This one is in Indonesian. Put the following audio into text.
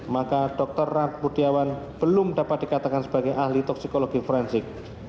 maka dr rat budiawan belum dapat dikatakan sebagai ahli toksikologi forensik